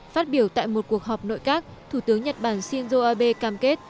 phát biểu tại một cuộc họp nội các thủ tướng nhật bản shinzo abe cam kết